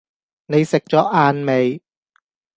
你食左晏未？